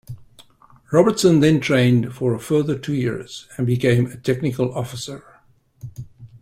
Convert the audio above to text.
Robertson then trained for a further two years and became a Technical Officer.